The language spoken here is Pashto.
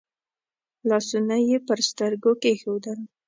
لاسونه يې پر سترګو کېښودل.